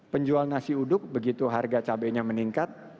penjual nasi uduk begitu harga cabainya meningkat